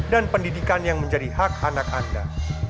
dan pendidikan yang menjadi hak anak anda